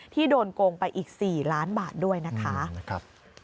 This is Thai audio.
โดนโกงไปอีก๔ล้านบาทด้วยนะคะ